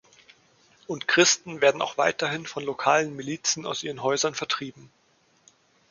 Und Christen werden auch weiterhin von lokalen Milizen aus ihren Häusern vertrieben.